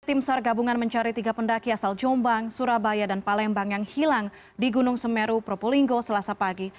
tim sar gabungan mencari tiga pendaki asal jombang surabaya dan palembang yang hilang di gunung semeru propolinggo selasa pagi